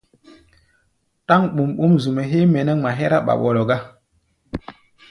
Ɗáŋ ɓɔm-ɓɔ́m zu-mɛ́ héé mɛ nɛ́ ŋma hɛ́rá ɓaɓɔlɔ gá.